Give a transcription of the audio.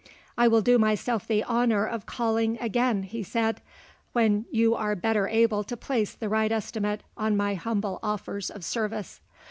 "I will do myself the honour of calling again," he said, "when you are better able to place the right estimate on my humble offers of service.